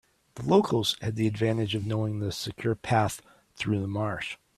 The locals had the advantage of knowing the secure path through the marsh.